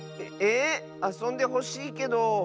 あそんでほしいけどだれ？